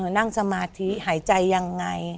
นั่งสมาธิหายใจยังไง